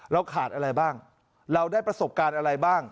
เราขาดอะไรบ้างเราได้ประสบการณ์อะไรบ้าง